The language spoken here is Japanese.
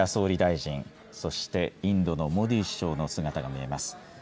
岸田総理大臣、そしてインドのモディ首相の姿が見えます。